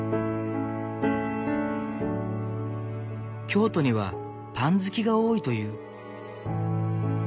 京都にはパン好きが多いという。